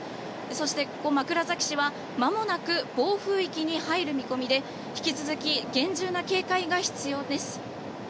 そして、ここ枕崎市はまもなく暴風域に入る見込みで引き続き厳重な警戒が必要です。